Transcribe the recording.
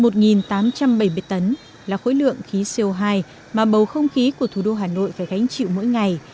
một tám trăm bảy mươi tấn là khối lượng khí co hai mà bầu không khí của thủ đô hà nội phải gánh chịu mỗi ngày